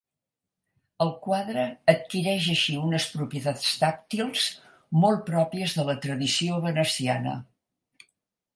El quadre adquireix així unes propietats tàctils molt pròpies de la tradició veneciana.